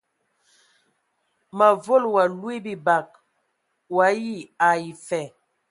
Mǝ volo wa lwi bibag o ayi ai fa.